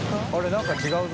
何か違うぞ。